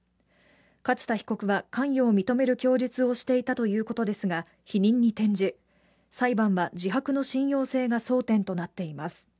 勝田被告は関与を認める供述をしていたということですが否認に転じ、裁判は自白の信用性が争点となっています。